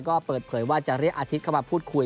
ก็เปิดเผยว่าจะเรียกอาทิตย์เข้ามาพูดคุย